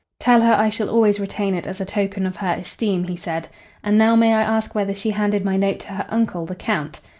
"Tell her I shall always retain it as a token' of her esteem," he said. "And now may I ask whether she handed my note to her uncle, the Count?"